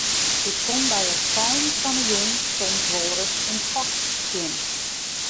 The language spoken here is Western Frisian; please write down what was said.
Ik kom by it fallen fan 'e jûn soms wol ris in foks tsjin.